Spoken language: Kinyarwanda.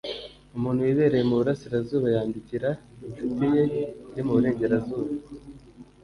umuntu wibereye mu burasirazuba yandikira inshuti ye iri mu burengerazuba